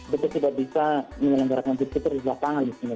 kita tidak bisa mengelenggarakan idul fitri di lapangan di sini